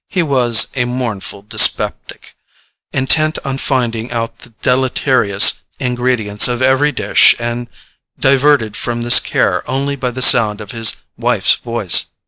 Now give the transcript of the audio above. He was a mournful dyspeptic, intent on finding out the deleterious ingredients of every dish and diverted from this care only by the sound of his wife's voice.